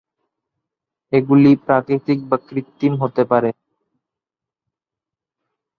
এগুলি প্রাকৃতিক বা কৃত্রিম হতে পারে।